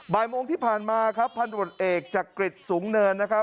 บ่ายโมงที่ผ่านมาพันธุรกิจสูงเนิน